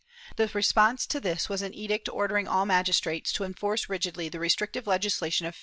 The response to this was an edict ordering all magis trates to enforce rigidly the restrictive legislation of 1572.